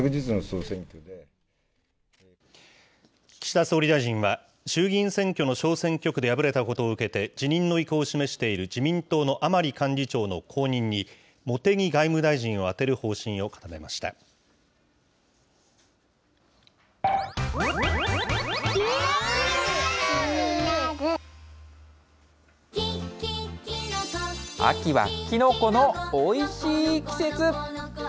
岸田総理大臣は、衆議院選挙の小選挙区で敗れたことを受けて辞任の意向を示している自民党の甘利幹事長の後任に、茂木外務大臣を充てる方針を固め秋はキノコのおいしい季節。